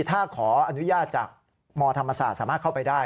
ถ้าขออนุญาตจากมธรรมศาสตร์สามารถเข้าไปได้